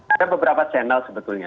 ada beberapa channel sebetulnya